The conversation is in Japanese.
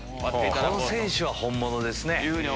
この選手は本物ですね。